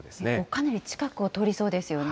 かなり近くを通りそうですよね。